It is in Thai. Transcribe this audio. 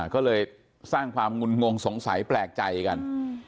ก็เลยสร้างความงุนงงสงสัยแปลกใจกัน